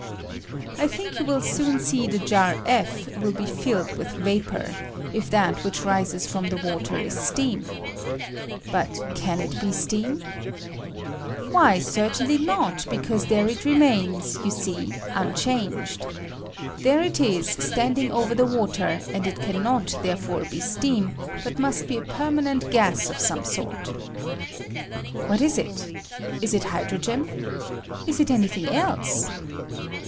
I tliink you I ■will soon see the jar (f) will be filled with J vapor, if that which rises from the water is 1 steam. But can it be steam ? Why, certainly not; because there it remains, you see, im k changed. There it is standing over the water, and it can not therefore be steam, but must be a permanent gas of some sort. What is it? la it hydrogen? Is it any thing else?